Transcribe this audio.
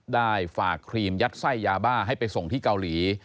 ได้ฝากครีมยัดไส้ยาบ้าให้ไปส่งที่เกาหลี